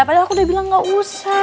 padahal aku udah bilang gak usah